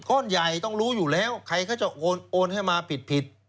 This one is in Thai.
ก้อนใหญ่ต้องรู้อยู่แล้วใครเขาจะโอนให้มาผิด